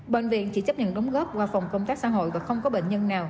bệnh viện chỉ chấp nhận đóng góp qua phòng công tác xã hội và không có bệnh nhân nào